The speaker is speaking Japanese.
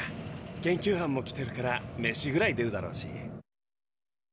研究班も来てるからメシぐらい出るだろうし。